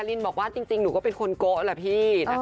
ลินบอกว่าจริงหนูก็เป็นคนโกะแหละพี่